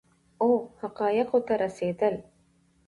او حقایقو ته رسیدل